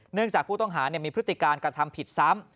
เนื่องจากผู้ต้องหามีพฤติการกระทำผิดซ้ำ